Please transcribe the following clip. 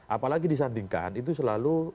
apalagi disandingkan itu selalu